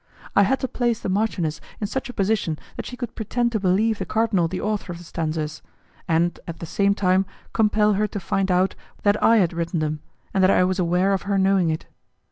I had to place the marchioness in such a position that she could pretend to believe the cardinal the author of the stanzas, and, at the same time, compel her to find out that I had written them, and that I was aware of her knowing it.